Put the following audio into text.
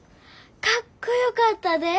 かっこよかったで。